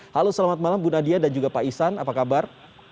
halo selamat malam bu nadia dan juga pak isan apa kabar